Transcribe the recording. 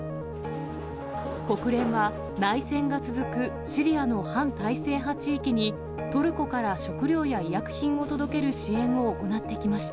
国連は、内戦が続くシリアの反体制派地域に、トルコから食料や医薬品を届ける支援を行ってきました。